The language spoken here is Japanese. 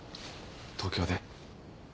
東京で？